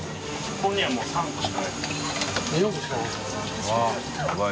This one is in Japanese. ここにはもう店主）４個しかない？